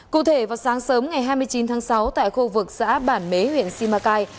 cụ thể vào sáng sớm ngày hai mươi chín tháng sáu tại khu vực xã bản mế huyện simacai